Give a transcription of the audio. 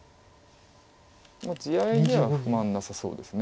地合いでは不満なさそうです。